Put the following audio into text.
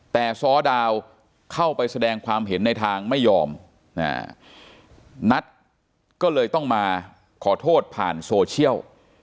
แต่ซ้อดาวเข้าไปแสดงความเห็นในทางไม่ยอมนัทก็เลยต้องมาขอโทษผ่านโซเชียล